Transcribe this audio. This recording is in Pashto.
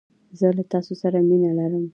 زه له تاسو سره مينه لرم